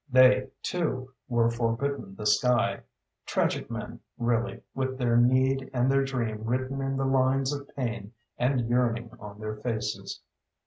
They, too, were forbidden the sky. Tragic men, really, with their need and their dream written in the lines of pain and yearning on their faces.